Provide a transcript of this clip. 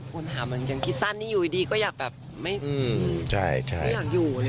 คนถามมันยังคิดสั้นนี่อยู่ดีก็อยากแบบไม่อยากอยู่